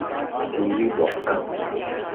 至於黃金